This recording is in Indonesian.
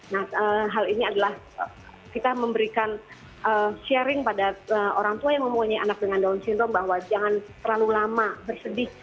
nah hal ini adalah kita memberikan sharing pada orang tua yang mempunyai anak dengan down syndrome bahwa jangan terlalu lama bersedih